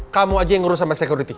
kamu aja yang ngurus sama security